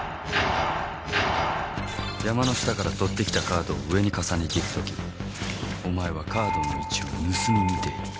山の下から取ってきたカードを上に重ねていくときお前はカードの位置を盗み見ている。